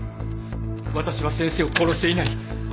私は先生を殺していない。